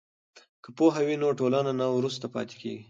که پوهه وي نو ټولنه نه وروسته پاتې کیږي.